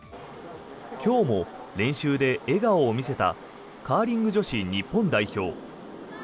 今日も練習で笑顔を見せたカーリング女子日本代表。